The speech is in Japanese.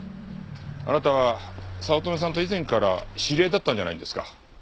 あなたは早乙女さんと以前から知り合いだったんじゃないんですか？